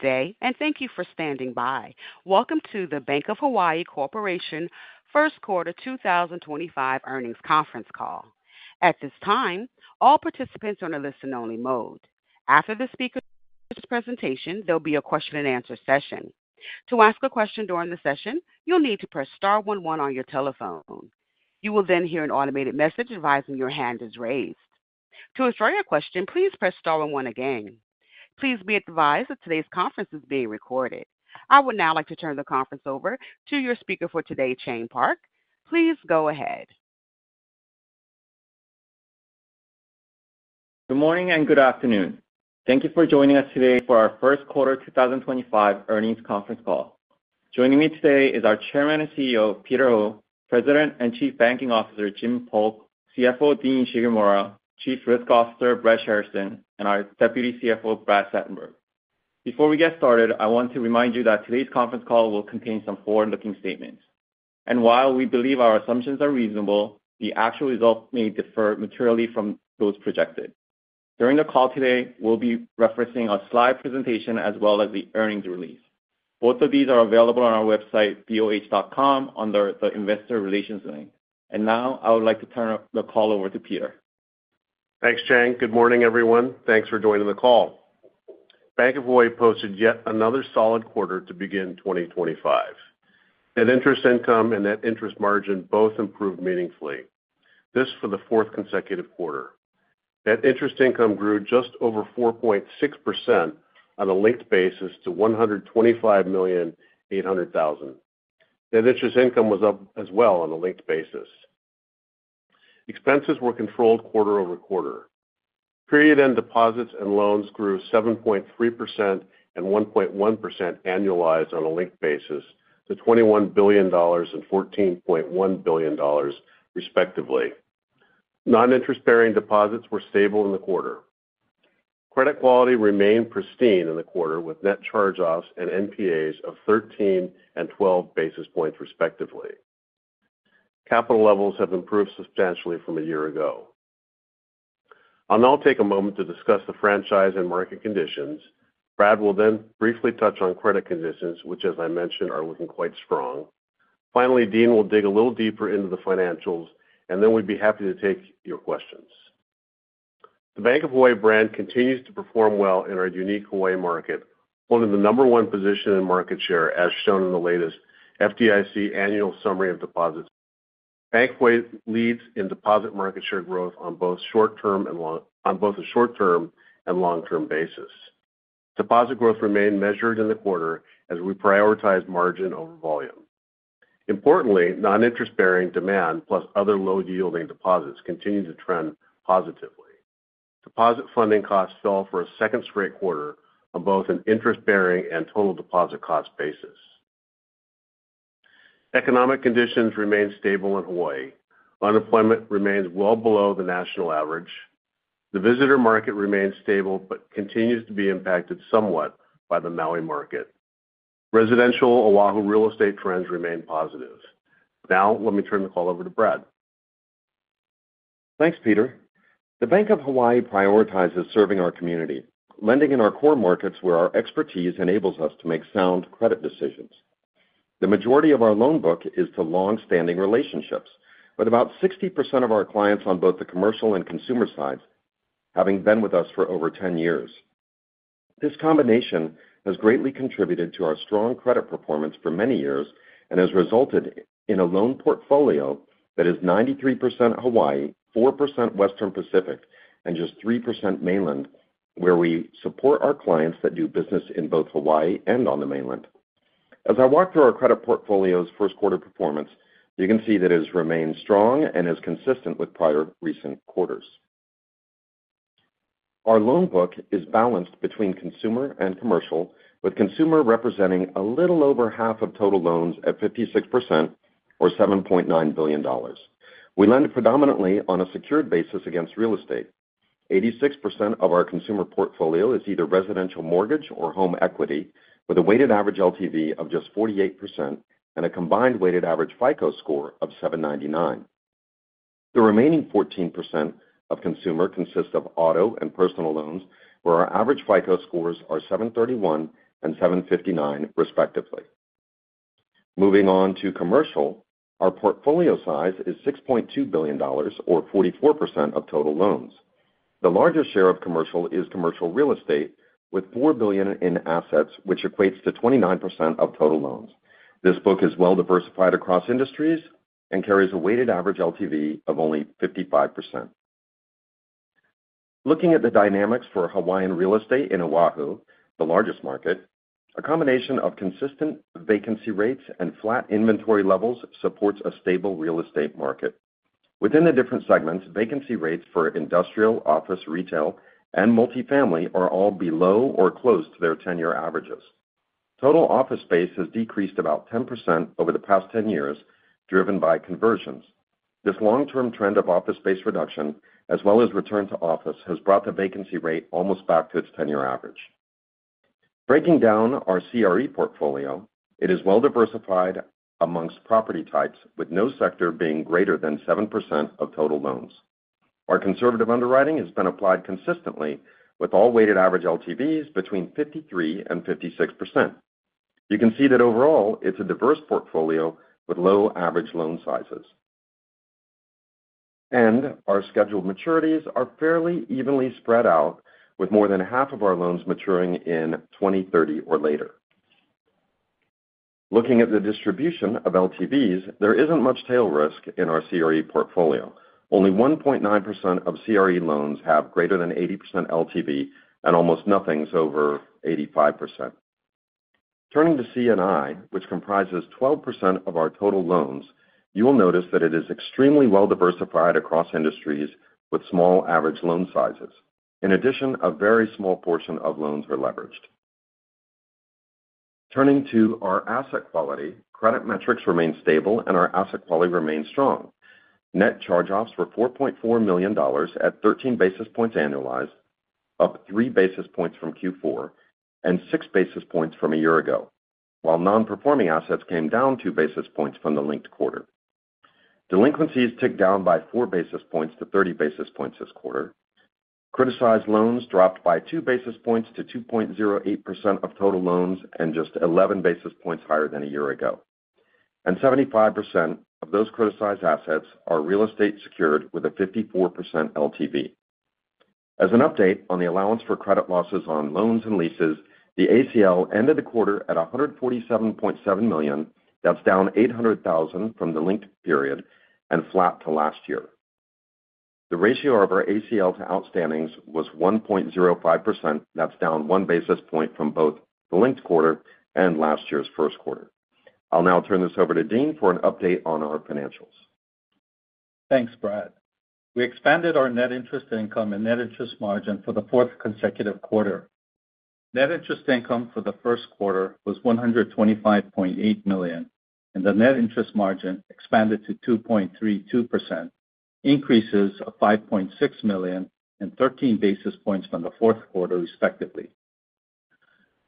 Today, and thank you for standing by. Welcome to the Bank of Hawaii Corporation First Quarter 2025 Earnings Conference Call. At this time, all participants are in a listen-only mode. After the speaker's presentation, there'll be a question-and-answer session. To ask a question during the session, you'll need to press star 11 on your telephone. You will then hear an automated message advising your hand is raised. To ask your question, please press star 11 again. Please be advised that today's conference is being recorded. I would now like to turn the conference over to your speaker for today, Chang Park. Please go ahead. Good morning and good afternoon. Thank you for joining us today for our First Quarter 2025 Earnings Conference Call. Joining me today is our Chairman and CEO, Peter Ho, President and Chief Banking Officer, Jim Polk, CFO, Dean Shigemura, Chief Risk Officer, Brad Shairson, and our Deputy CFO, Brad Satenberg. Before we get started, I want to remind you that today's conference call will contain some forward-looking statements. While we believe our assumptions are reasonable, the actual results may differ materially from those projected. During the call today, we'll be referencing a slide presentation as well as the earnings release. Both of these are available on our website, boh.com, under the Investor Relations link. I would like to turn the call over to Peter. Thanks, Chang. Good morning, everyone. Thanks for joining the call. Bank of Hawaii posted yet another solid quarter to begin 2025. Net interest income and net interest margin both improved meaningfully. This for the fourth consecutive quarter. Net interest income grew just over 4.6% on a linked basis to $125,800,000. Net interest income was up as well on a linked basis. Expenses were controlled quarter over quarter. Period-end deposits and loans grew 7.3% and 1.1% annualized on a linked basis to $21 billion and $14.1 billion, respectively. Non-interest-bearing deposits were stable in the quarter. Credit quality remained pristine in the quarter with net charge-offs and NPAs of 13 and 12 basis points, respectively. Capital levels have improved substantially from a year ago. I'll now take a moment to discuss the franchise and market conditions. Brad will then briefly touch on credit conditions, which, as I mentioned, are looking quite strong. Finally, Dean will dig a little deeper into the financials, and then we'd be happy to take your questions. The Bank of Hawaii brand continues to perform well in our unique Hawaii market, holding the number one position in market share as shown in the latest FDIC annual summary of deposits. Bank of Hawaii leads in deposit market share growth on both the short-term and long-term basis. Deposit growth remained measured in the quarter as we prioritized margin over volume. Importantly, non-interest-bearing demand plus other low-yielding deposits continue to trend positively. Deposit funding costs fell for a second straight quarter on both an interest-bearing and total deposit cost basis. Economic conditions remain stable in Hawaii. Unemployment remains well below the national average. The visitor market remains stable but continues to be impacted somewhat by the Maui market. Residential Oahu real estate trends remain positive. Now, let me turn the call over to Brad. Thanks, Peter. The Bank of Hawaii prioritizes serving our community, lending in our core markets where our expertise enables us to make sound credit decisions. The majority of our loan book is to long-standing relationships, with about 60% of our clients on both the commercial and consumer sides, having been with us for over 10 years. This combination has greatly contributed to our strong credit performance for many years and has resulted in a loan portfolio that is 93% Hawaii, 4% Western Pacific, and just 3% mainland, where we support our clients that do business in both Hawaii and on the mainland. As I walk through our credit portfolio's first quarter performance, you can see that it has remained strong and is consistent with prior recent quarters. Our loan book is balanced between consumer and commercial, with consumer representing a little over half of total loans at 56% or $7.9 billion. We lend predominantly on a secured basis against real estate. 86% of our consumer portfolio is either residential mortgage or home equity, with a weighted average LTV of just 48% and a combined weighted average FICO score of 799. The remaining 14% of consumer consists of auto and personal loans, where our average FICO scores are 731 and 759, respectively. Moving on to commercial, our portfolio size is $6.2 billion or 44% of total loans. The larger share of commercial is commercial real estate, with $4 billion in assets, which equates to 29% of total loans. This book is well-diversified across industries and carries a weighted average LTV of only 55%. Looking at the dynamics for Hawaiian real estate in Oahu, the largest market, a combination of consistent vacancy rates and flat inventory levels supports a stable real estate market. Within the different segments, vacancy rates for industrial, office, retail, and multifamily are all below or close to their 10-year averages. Total office space has decreased about 10% over the past 10 years, driven by conversions. This long-term trend of office space reduction, as well as return to office, has brought the vacancy rate almost back to its 10-year average. Breaking down our CRE portfolio, it is well-diversified amongst property types, with no sector being greater than 7% of total loans. Our conservative underwriting has been applied consistently, with all weighted average LTVs between 53% and 56%. You can see that overall, it's a diverse portfolio with low average loan sizes. Our scheduled maturities are fairly evenly spread out, with more than half of our loans maturing in 2030 or later. Looking at the distribution of LTVs, there isn't much tail risk in our CRE portfolio. Only 1.9% of CRE loans have greater than 80% LTV and almost nothing is over 85%. Turning to C&I, which comprises 12% of our total loans, you will notice that it is extremely well-diversified across industries with small average loan sizes. In addition, a very small portion of loans are leveraged. Turning to our asset quality, credit metrics remain stable, and our asset quality remains strong. Net charge-offs were $4.4 million at 13 basis points annualized, up 3 basis points from Q4 and 6 basis points from a year ago, while non-performing assets came down 2 basis points from the linked quarter. Delinquencies ticked down by 4 basis points to 30 basis points this quarter. Criticized loans dropped by 2 basis points to 2.08% of total loans and just 11 basis points higher than a year ago. 75% of those criticized assets are real estate secured with a 54% LTV. As an update on the allowance for credit losses on loans and leases, the ACL ended the quarter at $147.7 million. That's down $800,000 from the linked period and flat to last year. The ratio of our ACL to outstandings was 1.05%. That's down 1 basis point from both the linked quarter and last year's first quarter. I'll now turn this over to Dean for an update on our financials. Thanks, Brad. We expanded our net interest income and net interest margin for the fourth consecutive quarter. Net interest income for the first quarter was $125.8 million, and the net interest margin expanded to 2.32%, increases of $5.6 million and 13 basis points from the fourth quarter, respectively.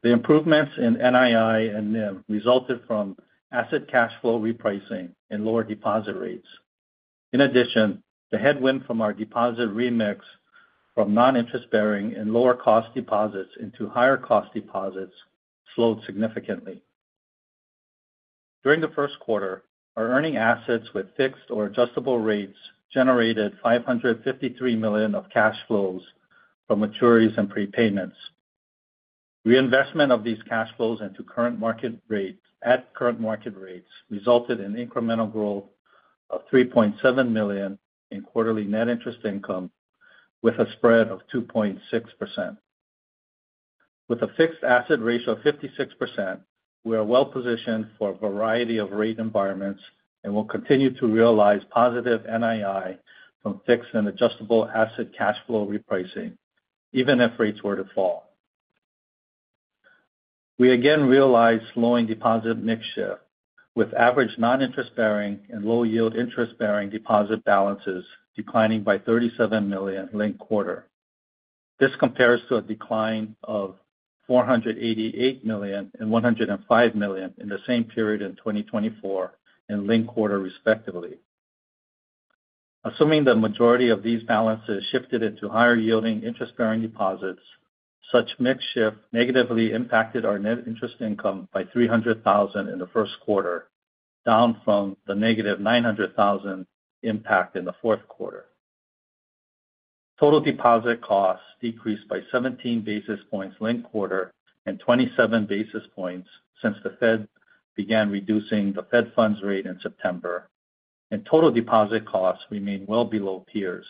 The improvements in NII and NIM resulted from asset cash flow repricing and lower deposit rates. In addition, the headwind from our deposit remix from non-interest-bearing and lower-cost deposits into higher-cost deposits slowed significantly. During the first quarter, our earning assets with fixed or adjustable rates generated $553 million of cash flows from maturities and prepayments. Reinvestment of these cash flows at current market rates resulted in incremental growth of $3.7 million in quarterly net interest income, with a spread of 2.6%. With a fixed asset ratio of 56%, we are well-positioned for a variety of rate environments and will continue to realize positive NII from fixed and adjustable asset cash flow repricing, even if rates were to fall. We again realized slowing deposit mixture, with average non-interest-bearing and low-yield interest-bearing deposit balances declining by $37 million linked quarter. This compares to a decline of $488 million and $105 million in the same period in 2024 and linked quarter, respectively. Assuming the majority of these balances shifted into higher-yielding interest-bearing deposits, such mixture negatively impacted our net interest income by $300,000 in the first quarter, down from the negative $900,000 impact in the fourth quarter. Total deposit costs decreased by 17 basis points linked quarter and 27 basis points since the Fed began reducing the Fed funds rate in September, and total deposit costs remain well below peers.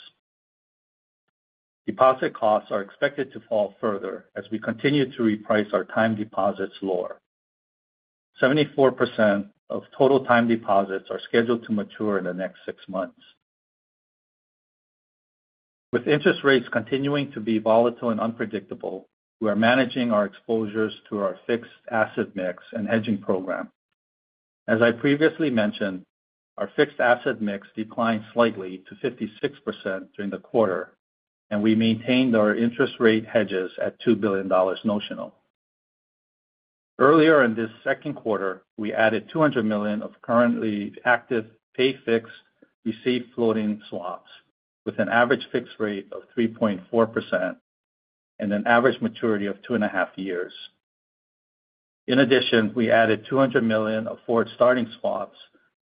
Deposit costs are expected to fall further as we continue to reprice our time deposits lower. 74% of total time deposits are scheduled to mature in the next six months. With interest rates continuing to be volatile and unpredictable, we are managing our exposures through our fixed asset mix and hedging program. As I previously mentioned, our fixed asset mix declined slightly to 56% during the quarter, and we maintained our interest rate hedges at $2 billion notional. Earlier in this second quarter, we added $200 million of currently active pay-fixed receive-floating swaps, with an average fixed rate of 3.4% and an average maturity of two and a half years. In addition, we added $200 million of forward starting swaps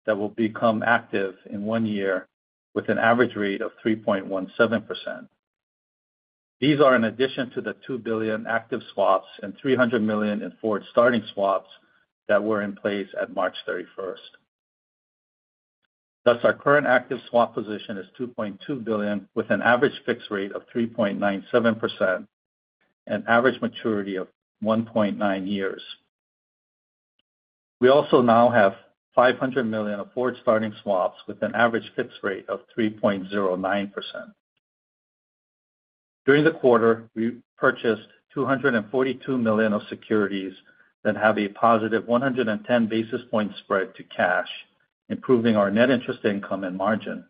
that will become active in one year, with an average rate of 3.17%. These are in addition to the $2 billion active swaps and $300 million in forward starting swaps that were in place at March 31. Thus, our current active swap position is $2.2 billion, with an average fixed rate of 3.97% and average maturity of 1.9 years. We also now have $500 million of forward starting swaps with an average fixed rate of 3.09%. During the quarter, we purchased $242 million of securities that have a positive 110 basis point spread to cash, improving our net interest income and margin.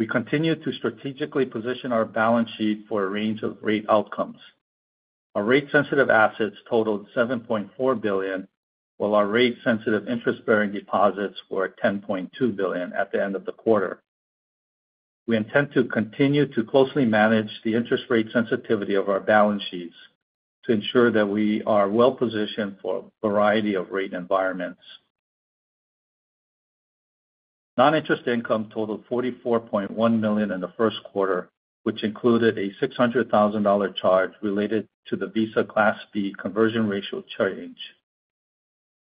We continue to strategically position our balance sheet for a range of rate outcomes. Our rate-sensitive assets totaled $7.4 billion, while our rate-sensitive interest-bearing deposits were $10.2 billion at the end of the quarter. We intend to continue to closely manage the interest rate sensitivity of our balance sheets to ensure that we are well-positioned for a variety of rate environments. Non-interest income totaled $44.1 million in the first quarter, which included a $600,000 charge related to the Visa Class B conversion ratio change.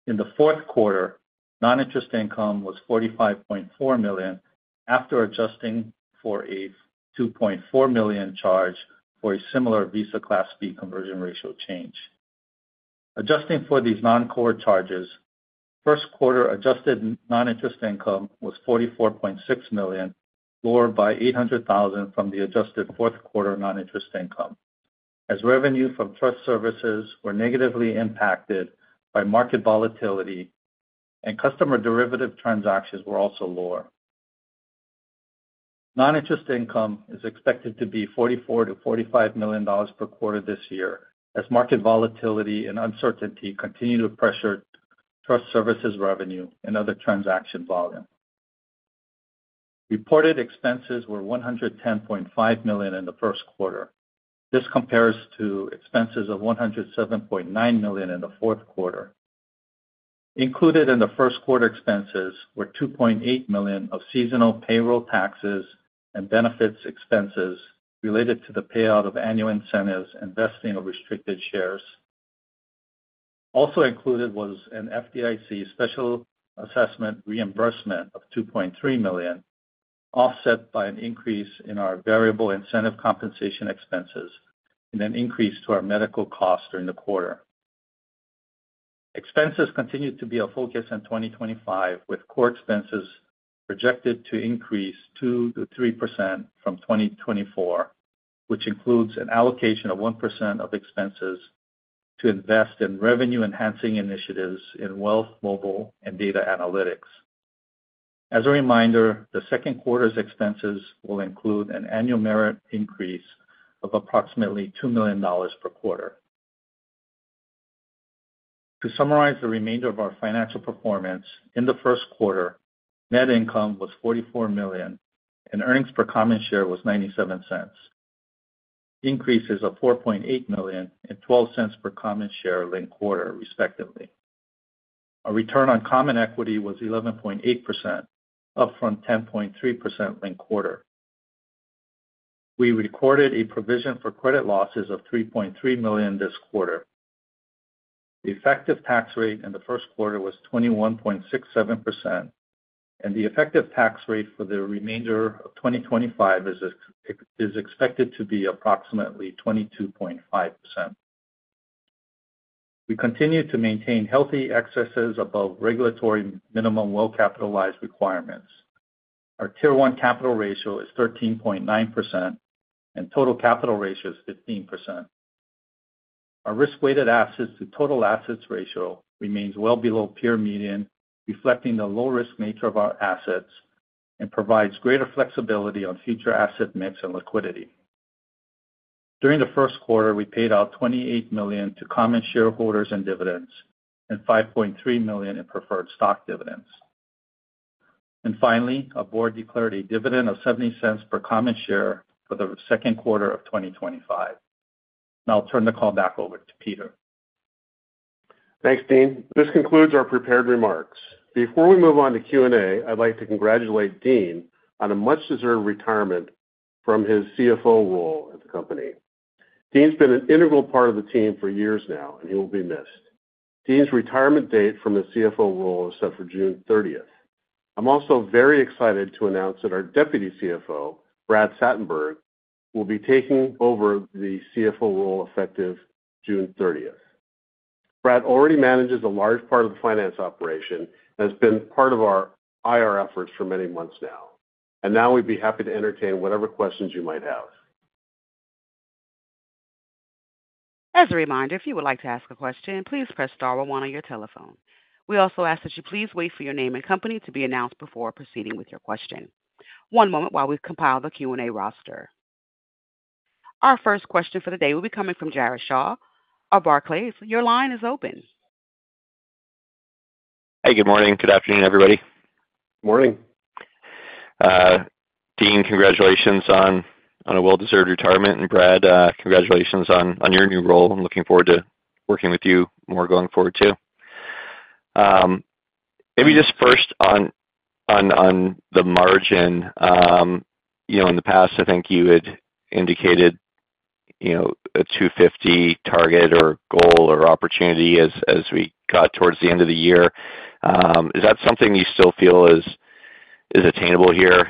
In the fourth quarter, non-interest income was $45.4 million after adjusting for a $2.4 million charge for a similar Visa Class B conversion ratio change. Adjusting for these non-core charges, first quarter adjusted non-interest income was $44.6 million, lower by $800,000 from the adjusted fourth quarter non-interest income, as revenue from trust services were negatively impacted by market volatility, and customer derivative transactions were also lower. Non-interest income is expected to be $44 million-$45 million per quarter this year, as market volatility and uncertainty continue to pressure trust services revenue and other transaction volume. Reported expenses were $110.5 million in the first quarter. This compares to expenses of $107.9 million in the fourth quarter. Included in the first quarter expenses were $2.8 million of seasonal payroll taxes and benefits expenses related to the payout of annual incentives and vesting of restricted shares. Also included was an FDIC special assessment reimbursement of $2.3 million, offset by an increase in our variable incentive compensation expenses and an increase to our medical costs during the quarter. Expenses continue to be a focus in 2025, with core expenses projected to increase 2-3% from 2024, which includes an allocation of 1% of expenses to invest in revenue-enhancing initiatives in wealth, mobile, and data analytics. As a reminder, the second quarter's expenses will include an annual merit increase of approximately $2 million per quarter. To summarize the remainder of our financial performance, in the first quarter, net income was $44 million, and earnings per common share was $0.97, increases of $4.8 million and $0.12 per common share linked quarter, respectively. Our return on common equity was 11.8%, up from 10.3% linked quarter. We recorded a provision for credit losses of $3.3 million this quarter. The effective tax rate in the first quarter was 21.67%, and the effective tax rate for the remainder of 2025 is expected to be approximately 22.5%. We continue to maintain healthy excesses above regulatory minimum well-capitalized requirements. Our Tier 1 capital ratio is 13.9%, and total capital ratio is 15%. Our risk-weighted assets to total assets ratio remains well below peer median, reflecting the low-risk nature of our assets and provides greater flexibility on future asset mix and liquidity. During the first quarter, we paid out $28 million to common shareholders in dividends, and $5.3 million in preferred stock dividends. Finally, the Board declared a dividend of $0.70 per common share for the second quarter of 2025. Now I'll turn the call back over to Peter. Thanks, Dean. This concludes our prepared remarks. Before we move on to Q&A, I'd like to congratulate Dean on a much-deserved retirement from his CFO role at the company. Dean's been an integral part of the team for years now, and he will be missed. Dean's retirement date from the CFO role is set for June 30. I'm also very excited to announce that our Deputy CFO, Brad Satenberg, will be taking over the CFO role effective June 30. Brad already manages a large part of the finance operation and has been part of our IR efforts for many months now. We would be happy to entertain whatever questions you might have. As a reminder, if you would like to ask a question, please press star or one on your telephone. We also ask that you please wait for your name and company to be announced before proceeding with your question. One moment while we compile the Q&A roster. Our first question for the day will be coming from Jared Shaw of Barclays. Your line is open. Hey, good morning. Good afternoon, everybody. Morning. Dean, congratulations on a well-deserved retirement. Brad, congratulations on your new role. I'm looking forward to working with you more going forward too. Maybe just first on the margin, in the past, I think you had indicated a 250 target or goal or opportunity as we got towards the end of the year. Is that something you still feel is attainable here?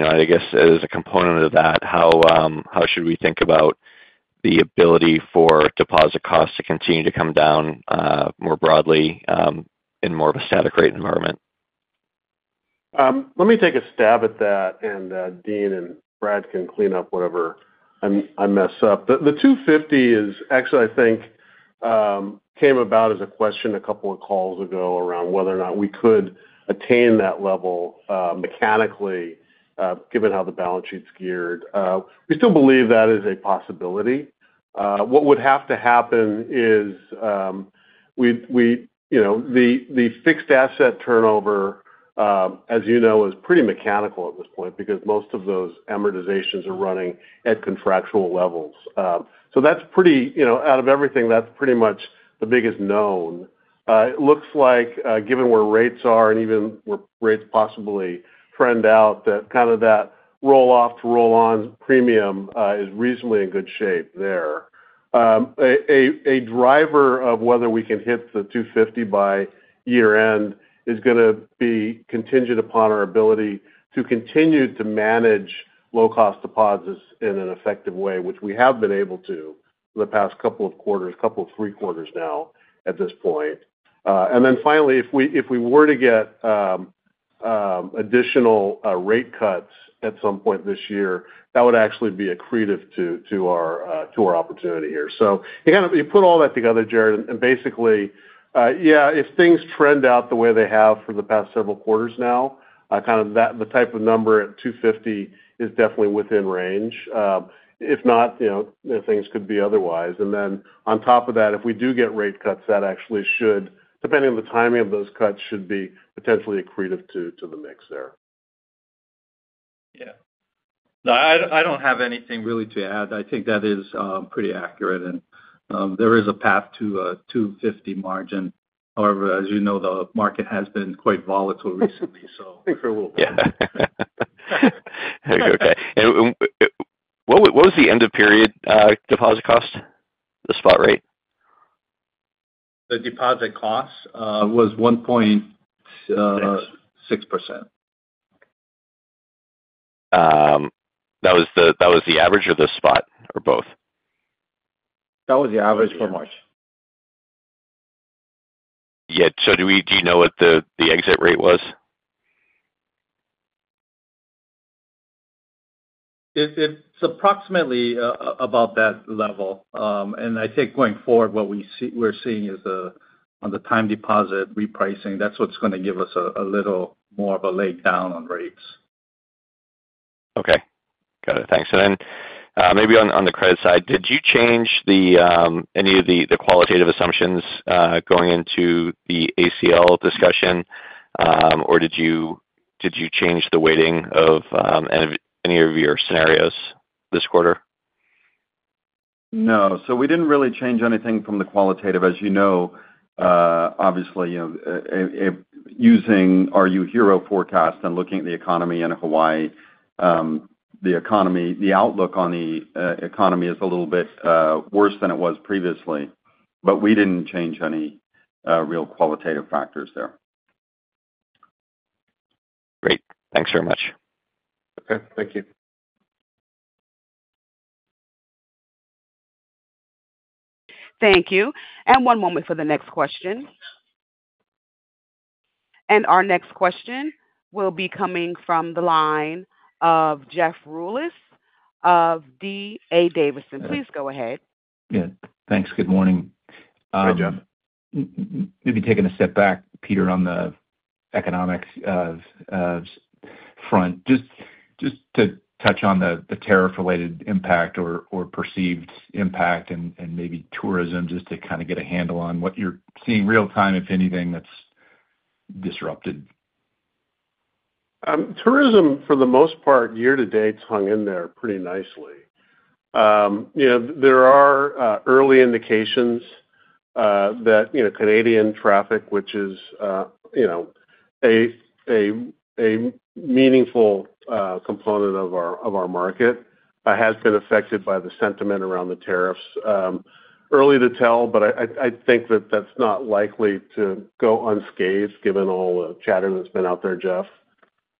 I guess as a component of that, how should we think about the ability for deposit costs to continue to come down more broadly in more of a static rate environment? Let me take a stab at that, and Dean and Brad can clean up whatever I mess up. The 250 is actually, I think, came about as a question a couple of calls ago around whether or not we could attain that level mechanically, given how the balance sheet's geared. We still believe that is a possibility. What would have to happen is the fixed asset turnover, as you know, is pretty mechanical at this point because most of those amortizations are running at contractual levels. So that's pretty out of everything, that's pretty much the biggest known. It looks like, given where rates are and even where rates possibly trend out, that kind of that roll-off to roll-on premium is reasonably in good shape there. A driver of whether we can hit the 250 by year-end is going to be contingent upon our ability to continue to manage low-cost deposits in an effective way, which we have been able to the past couple of quarters, couple of three quarters now at this point. Finally, if we were to get additional rate cuts at some point this year, that would actually be accretive to our opportunity here. You put all that together, Jared, and basically, yeah, if things trend out the way they have for the past several quarters now, kind of the type of number at 250 is definitely within range. If not, things could be otherwise. On top of that, if we do get rate cuts, that actually should, depending on the timing of those cuts, should be potentially accretive to the mix there. Yeah. No, I don't have anything really to add. I think that is pretty accurate. There is a path to a 250 margin. However, as you know, the market has been quite volatile recently. I think for a little bit. Yeah. Okay. What was the end-of-period deposit cost, the spot rate? The deposit cost was 1.6%. That was the average or the spot or both? That was the average for March. Yeah. Do you know what the exit rate was? It's approximately about that level. I think going forward, what we're seeing is on the time deposit repricing, that's what's going to give us a little more of a lay down on rates. Okay. Got it. Thanks. Maybe on the credit side, did you change any of the qualitative assumptions going into the ACL discussion, or did you change the weighting of any of your scenarios this quarter? No. We didn't really change anything from the qualitative. As you know, obviously, using our UHERO forecast and looking at the economy in Hawaii, the outlook on the economy is a little bit worse than it was previously. We didn't change any real qualitative factors there. Great. Thanks very much. Okay. Thank you. Thank you. One moment for the next question. Our next question will be coming from the line of Jeff Rulis of D.A. Davidson. Please go ahead. Good. Thanks. Good morning. Hi, Jeff. Maybe taking a step back, Peter, on the economics front, just to touch on the tariff-related impact or perceived impact and maybe tourism, just to kind of get a handle on what you're seeing real-time, if anything, that's disrupted. Tourism, for the most part, year-to-date, hung in there pretty nicely. There are early indications that Canadian traffic, which is a meaningful component of our market, has been affected by the sentiment around the tariffs. Early to tell, but I think that that's not likely to go unscathed, given all the chatter that's been out there, Jeff.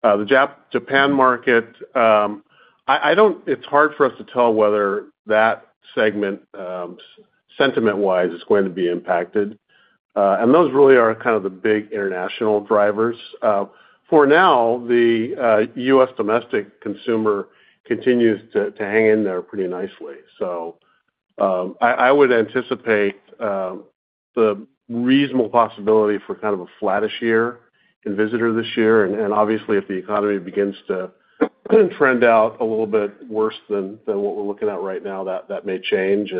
The Japan market, it's hard for us to tell whether that segment, sentiment-wise, is going to be impacted. Those really are kind of the big international drivers. For now, the U.S. domestic consumer continues to hang in there pretty nicely. I would anticipate the reasonable possibility for kind of a flattish year in visitor this year. Obviously, if the economy begins to trend out a little bit worse than what we're looking at right now, that may change.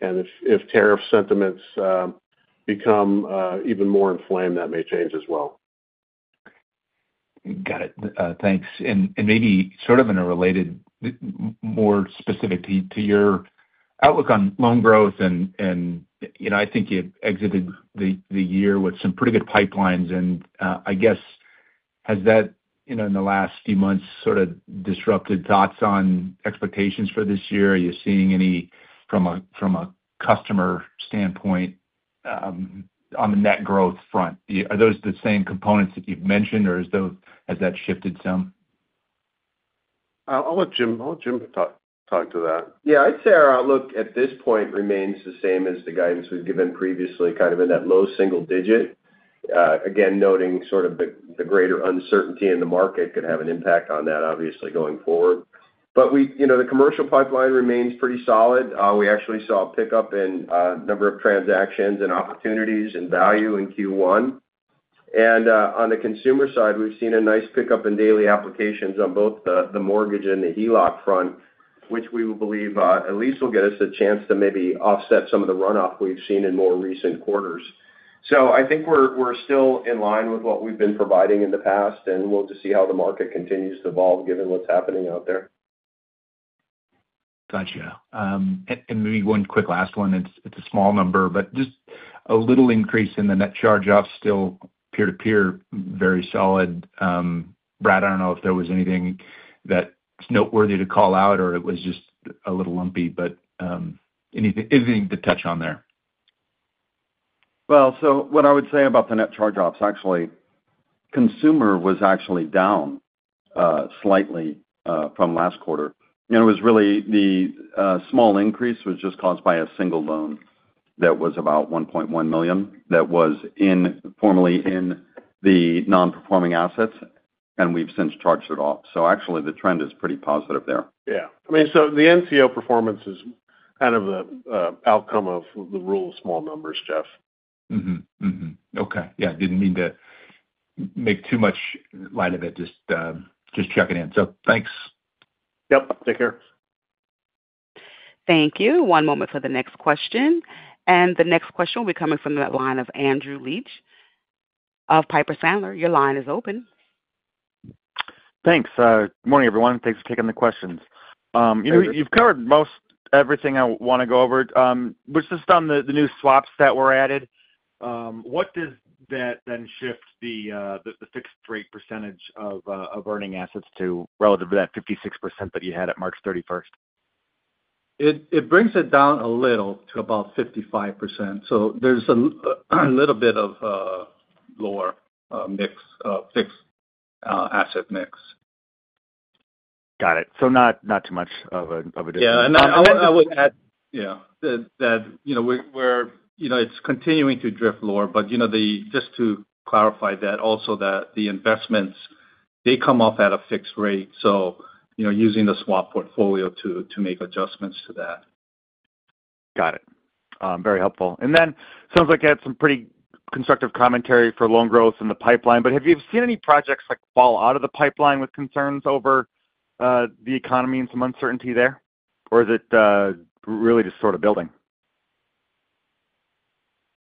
If tariff sentiments become even more inflamed, that may change as well. Got it. Thanks. Maybe sort of in a related, more specific to your outlook on loan growth, I think you exited the year with some pretty good pipelines. I guess, has that in the last few months sort of disrupted thoughts on expectations for this year? Are you seeing any from a customer standpoint on the net growth front? Are those the same components that you've mentioned, or has that shifted some? I'll let Jim talk to that. Yeah. I'd say our outlook at this point remains the same as the guidance we've given previously, kind of in that low single digit. Again, noting sort of the greater uncertainty in the market could have an impact on that, obviously, going forward. The commercial pipeline remains pretty solid. We actually saw a pickup in a number of transactions and opportunities and value in Q1. On the consumer side, we've seen a nice pickup in daily applications on both the mortgage and the HELOC front, which we believe at least will get us a chance to maybe offset some of the runoff we've seen in more recent quarters. I think we're still in line with what we've been providing in the past, and we'll just see how the market continues to evolve given what's happening out there. Gotcha. Maybe one quick last one. It's a small number, but just a little increase in the net charge-offs, still peer-to-peer very solid. Brad, I don't know if there was anything that's noteworthy to call out, or it was just a little lumpy, but anything to touch on there? What I would say about the net charge-offs, actually, consumer was actually down slightly from last quarter. It was really the small increase was just caused by a single loan that was about $1.1 million that was formerly in the non-performing assets, and we've since charged it off. Actually, the trend is pretty positive there. Yeah. I mean, so the NCO performance is kind of the outcome of the rule of small numbers, Jeff. Okay. Yeah. Did not mean to make too much light of it, just checking in. Thanks. Yep. Take care. Thank you. One moment for the next question. The next question will be coming from the line of Andrew Liesch of Piper Sandler. Your line is open. Thanks. Good morning, everyone. Thanks for taking the questions. You've covered most everything I want to go over. It was just on the new swaps that were added. What does that then shift the fixed rate percentage of earning assets to relative to that 56% that you had at March 31? It brings it down a little to about 55%. There is a little bit of lower mix of fixed asset mix. Got it. Not too much of a difference. Yeah. I would add, yeah, that it's continuing to drift lower. Just to clarify that also, the investments, they come off at a fixed rate. Using the swap portfolio to make adjustments to that. Got it. Very helpful. It sounds like you had some pretty constructive commentary for loan growth and the pipeline. Have you seen any projects fall out of the pipeline with concerns over the economy and some uncertainty there? Is it really just sort of building?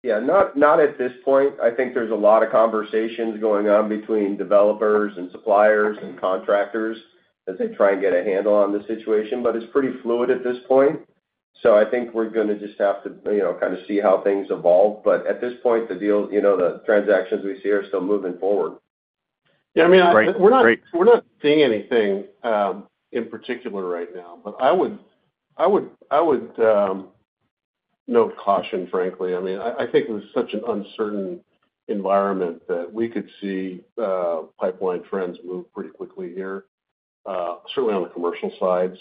Yeah. Not at this point. I think there's a lot of conversations going on between developers and suppliers and contractors as they try and get a handle on the situation. It's pretty fluid at this point. I think we're going to just have to kind of see how things evolve. At this point, the transactions we see are still moving forward. Yeah. I mean, we're not seeing anything in particular right now. I would note caution, frankly. I mean, I think it is such an uncertain environment that we could see pipeline trends move pretty quickly here, certainly on the commercial side.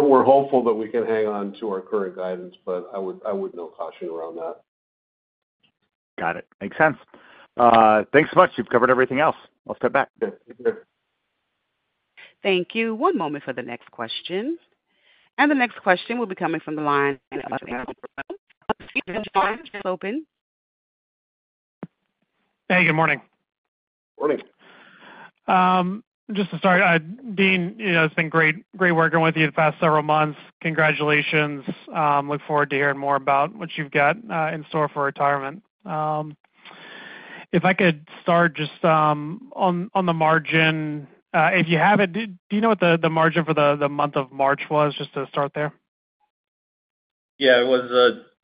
We're hopeful that we can hang on to our current guidance, but I would note caution around that. Got it. Makes sense. Thanks so much. You've covered everything else. I'll step back. Yep. Take care. Thank you. One moment for the next question. The next question will be coming from the line of Steven Shires. He's open. Hey. Good morning. Morning. Just to start, Dean, it's been great working with you the past several months. Congratulations. Look forward to hearing more about what you've got in store for retirement. If I could start just on the margin, if you have it, do you know what the margin for the month of March was, just to start there? Yeah. It was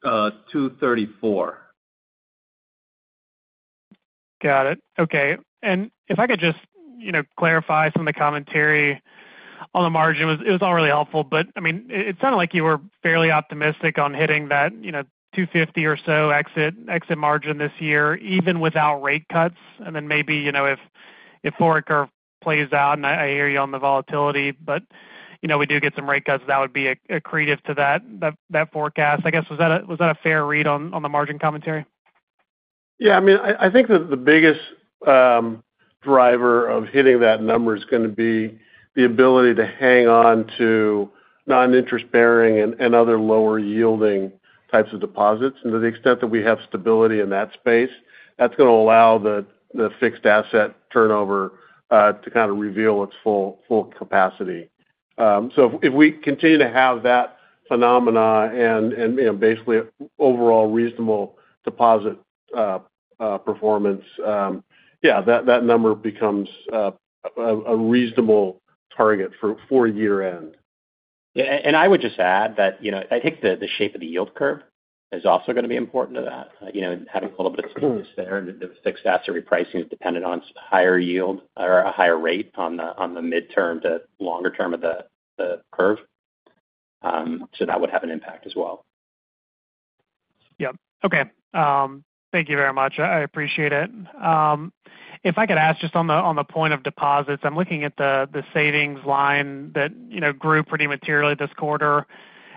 234. Got it. Okay. If I could just clarify some of the commentary on the margin, it was all really helpful. I mean, it sounded like you were fairly optimistic on hitting that 250 or so exit margin this year, even without rate cuts. Maybe if borrower curve plays out, and I hear you on the volatility, but we do get some rate cuts, that would be accretive to that forecast. I guess, was that a fair read on the margin commentary? Yeah. I mean, I think that the biggest driver of hitting that number is going to be the ability to hang on to non-interest-bearing and other lower-yielding types of deposits. To the extent that we have stability in that space, that's going to allow the fixed asset turnover to kind of reveal its full capacity. If we continue to have that phenomena and basically overall reasonable deposit performance, yeah, that number becomes a reasonable target for year-end. Yeah. I would just add that I think the shape of the yield curve is also going to be important to that, having a little bit of stimulus there. The fixed asset repricing is dependent on higher yield or a higher rate on the mid-term to longer-term of the curve. That would have an impact as well. Yep. Okay. Thank you very much. I appreciate it. If I could ask just on the point of deposits, I'm looking at the savings line that grew pretty materially this quarter.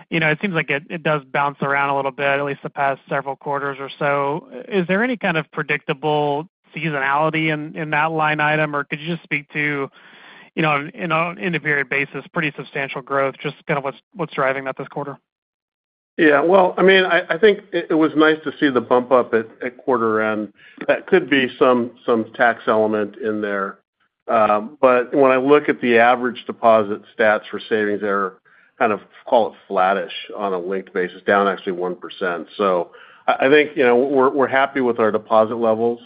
It seems like it does bounce around a little bit, at least the past several quarters or so. Is there any kind of predictable seasonality in that line item? Could you just speak to, on an intermediate basis, pretty substantial growth, just kind of what's driving that this quarter? Yeah. I mean, I think it was nice to see the bump up at quarter-end. That could be some tax element in there. When I look at the average deposit stats for savings, they're kind of, call it flattish on a linked basis, down actually 1%. I think we're happy with our deposit levels.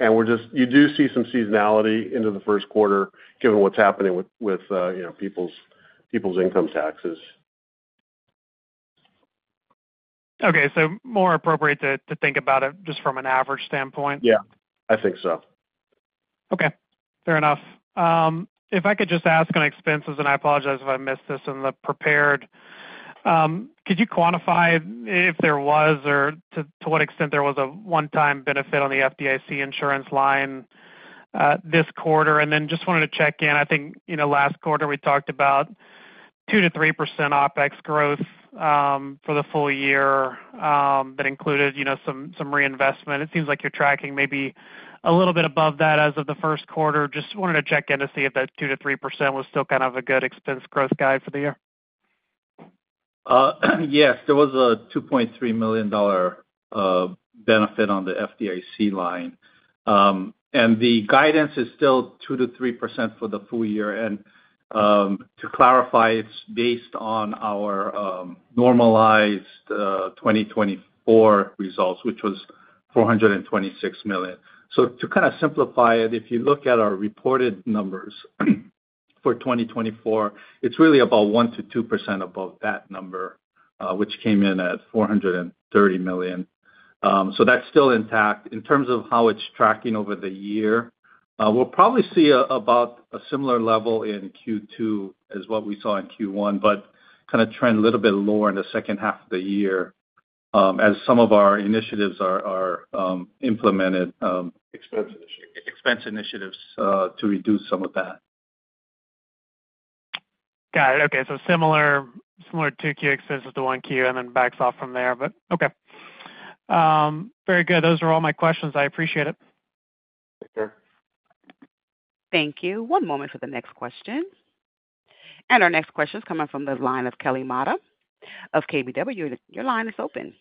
You do see some seasonality into the first quarter, given what's happening with people's income taxes. Okay. So more appropriate to think about it just from an average standpoint? Yeah. I think so. Okay. Fair enough. If I could just ask on expenses, and I apologize if I missed this in the prepared, could you quantify if there was, or to what extent there was a one-time benefit on the FDIC insurance line this quarter? I just wanted to check in. I think last quarter we talked about 2-3% OpEx growth for the full year that included some reinvestment. It seems like you're tracking maybe a little bit above that as of the first quarter. I just wanted to check in to see if that 2-3% was still kind of a good expense growth guide for the year. Yes. There was a $2.3 million benefit on the FDIC line. The guidance is still 2-3% for the full year. To clarify, it is based on our normalized 2024 results, which was $426 million. To kind of simplify it, if you look at our reported numbers for 2024, it is really about 1-2% above that number, which came in at $430 million. That is still intact. In terms of how it is tracking over the year, we will probably see about a similar level in Q2 as what we saw in Q1, but kind of trend a little bit lower in the second half of the year as some of our initiatives are implemented. Expense initiatives. Expense initiatives to reduce some of that. Got it. Okay. So similar to Q2 versus the 1Q, and then backs off from there. Okay. Very good. Those are all my questions. I appreciate it. Take care. Thank you. One moment for the next question. Our next question is coming from the line of Kelly Motta of KBW. Your line is open.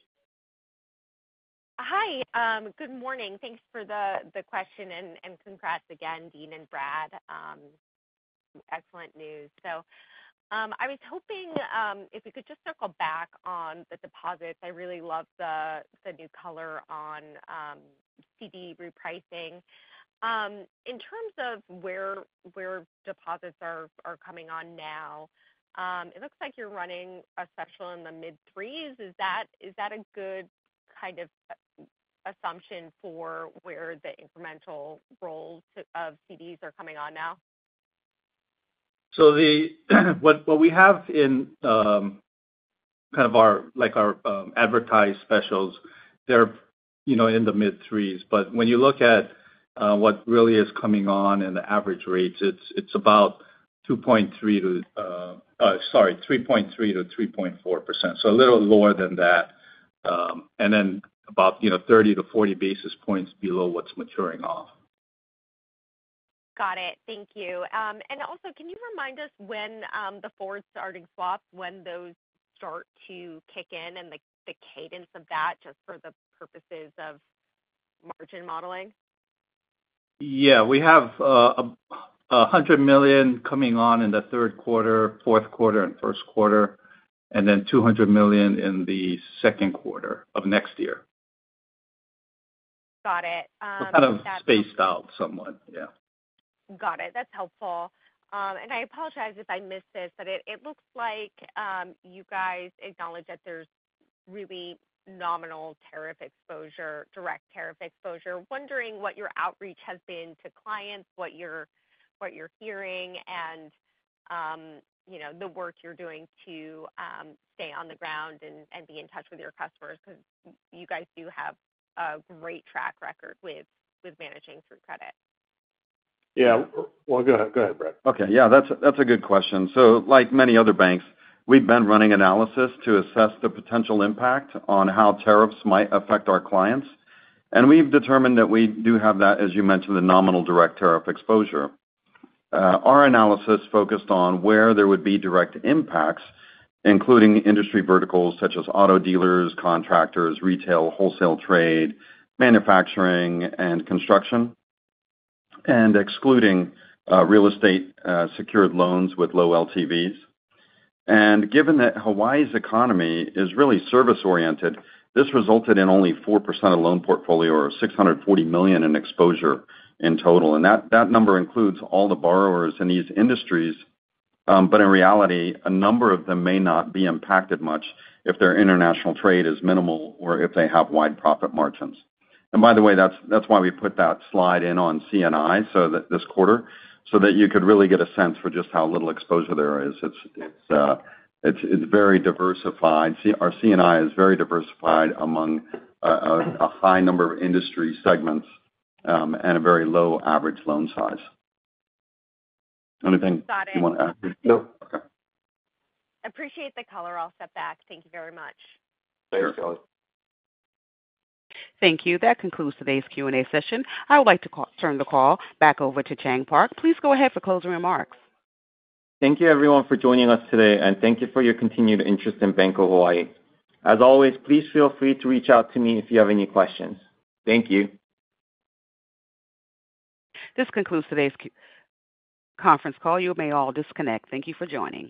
Hi. Good morning. Thanks for the question. Congrats again, Dean and Brad. Excellent news. I was hoping if we could just circle back on the deposits. I really love the new color on CD repricing. In terms of where deposits are coming on now, it looks like you're running a special in the mid-threes. Is that a good kind of assumption for where the incremental rolls of CDs are coming on now? What we have in kind of our advertised specials, they're in the mid-threes. But when you look at what really is coming on in the average rates, it's about 3.3-3.4%. So a little lower than that. And then about 30-40 basis points below what's maturing off. Got it. Thank you. Also, can you remind us when the forward-starting swaps, when those start to kick in and the cadence of that, just for the purposes of margin modeling? Yeah. We have $100 million coming on in the third quarter, fourth quarter, and first quarter, and then $200 million in the second quarter of next year. Got it. Kind of spaced out somewhat. Yeah. Got it. That's helpful. I apologize if I missed this, but it looks like you guys acknowledge that there's really nominal direct tariff exposure. Wondering what your outreach has been to clients, what you're hearing, and the work you're doing to stay on the ground and be in touch with your customers because you guys do have a great track record with managing through credit. Yeah. Go ahead. Go ahead, Brad. Okay. Yeah. That's a good question. Like many other banks, we've been running analysis to assess the potential impact on how tariffs might affect our clients. We've determined that we do have, as you mentioned, the nominal direct tariff exposure. Our analysis focused on where there would be direct impacts, including industry verticals such as auto dealers, contractors, retail, wholesale trade, manufacturing, and construction, and excluding real estate secured loans with low LTVs. Given that Hawaii's economy is really service-oriented, this resulted in only 4% of loan portfolio or $640 million in exposure in total. That number includes all the borrowers in these industries. In reality, a number of them may not be impacted much if their international trade is minimal or if they have wide profit margins. By the way, that's why we put that slide in on C&I this quarter, so that you could really get a sense for just how little exposure there is. It's very diversified. Our C&I is very diversified among a high number of industry segments and a very low average loan size. Anything you want to add? Got it. Nope. Okay. Appreciate the color. I'll step back. Thank you very much. Thanks, Kelly. Thank you. That concludes today's Q&A session. I would like to turn the call back over to Chang Park. Please go ahead for closing remarks. Thank you, everyone, for joining us today. Thank you for your continued interest in Bank of Hawaii. As always, please feel free to reach out to me if you have any questions. Thank you. This concludes today's conference call. You may all disconnect. Thank you for joining.